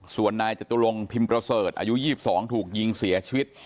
ส่วนนายจตุลงพิมพ์ประเสริฐอายุ๒๒ถูกยิงเสียชีวิต